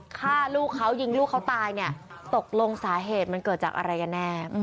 ฆ่าลูกเขายิงลูกเขาตายเนี่ยตกลงสาเหตุมันเกิดจากอะไรกันแน่